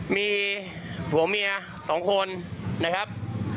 มีผัวเมีย๒คนนะครับ